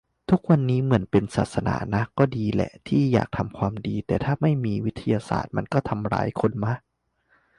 ทุกวันนี้เหมือนเป็นศาสนานะ ก็ดีแหละที่อยากทำความดี แต่ถ้าไม่มีวิทยาศาสตร์มันก็ทำร้ายคนมะ